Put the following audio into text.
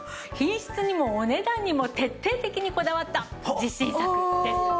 品質にもお値段にも徹底的にこだわった自信作です。